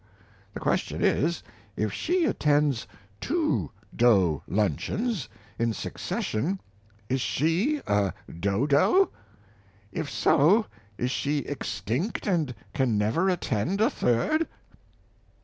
The question is, if she attends two doe luncheons in succession is she a doe doe? If so is she extinct and can never attend a third?